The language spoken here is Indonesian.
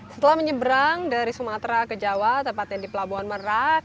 setelah menyeberang dari sumatera ke jawa tepatnya di pelabuhan merak